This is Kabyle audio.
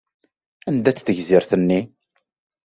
Anda-tt tegzirt-nni?